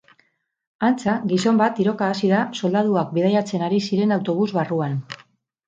Antza, gizon bat tiroka hasi da soldaduak bidaiatzen ari ziren autobus barruan.